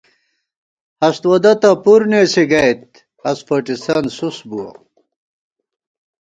ہست وودہ تہ پُر نېسی گئیت، ہست فوٹِسن سُس بُوَہ